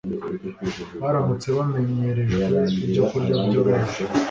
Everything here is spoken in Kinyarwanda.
Baramutse bamenyerejwe ibyokurya byoroheje